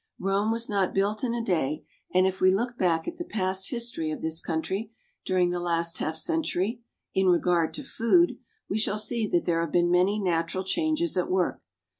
Rome was not built in a day; and if we look back at the past history of this country, during the last half century, in regard to food, we shall see that there have been many natural changes at work.